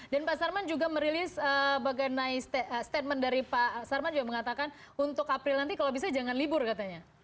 dan pak sarman juga merilis bagai statement dari pak sarman juga mengatakan untuk april nanti kalau bisa jangan libur katanya